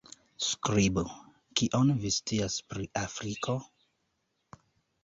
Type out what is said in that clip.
Skribu: Kion vi scias pri Afriko?